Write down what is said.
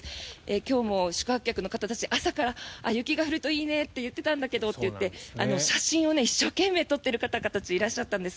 今日も宿泊客の方たち朝から雪が降るといいんだけどと言っていて写真を一生懸命撮っている方たちいらっしゃったんです。